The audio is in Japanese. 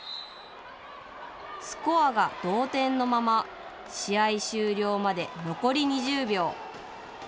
スコアが同点のまま試合終了まで残り２０秒。